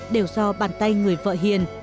đều do bàn tay người vợ hiền